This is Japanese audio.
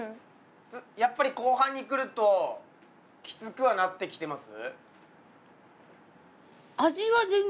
やっぱり後半にくるときつくはなってきてます？